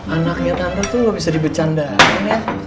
anaknya tante tuh gak bisa dibecandain ya